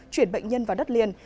chuyển bệnh nhân vào đất liền